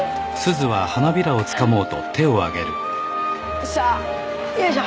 よっしゃよいしょ。